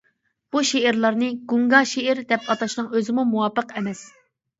بۇ شېئىرلارنى «گۇڭگا شېئىر» دەپ ئاتاشنىڭ ئۆزىمۇ مۇۋاپىق ئەمەس.